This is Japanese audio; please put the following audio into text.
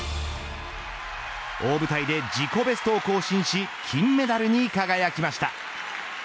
大舞台で自己ベストを更新し金メダルに輝きました。